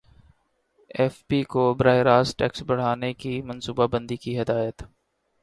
F B کو براہ راست ٹیکس بڑھانے کی منصوبہ بندی کی ہدایت